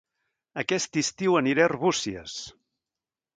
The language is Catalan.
Aquest estiu aniré a Arbúcies